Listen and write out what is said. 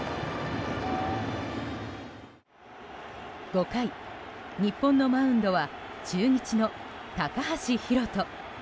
５回、日本のマウンドは中日の高橋宏斗。